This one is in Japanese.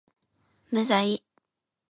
無罪